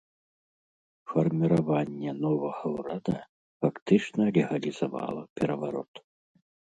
Фарміраванне новага ўрада фактычна легалізавала пераварот.